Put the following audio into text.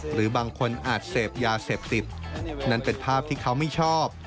หรือบางคนอาจเสพยาเสพติดนั่นเป็นภาพที่เขาไม่ชอบ